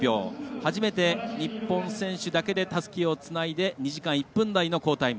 初めて、日本選手だけでたすきをつないで２時間１分台の好タイム。